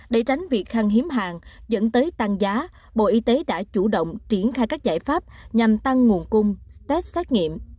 để tránh việc khăn hiếm hàng dẫn tới tăng giá bộ y tế đã chủ động triển khai các giải pháp nhằm tăng nguồn cung test xét nghiệm